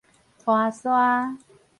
拖沙